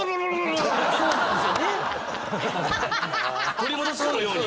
取り戻すかのように。